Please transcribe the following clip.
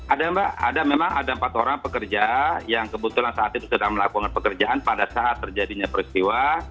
ada mbak ada memang ada empat orang pekerja yang kebetulan saat itu sedang melakukan pekerjaan pada saat terjadinya peristiwa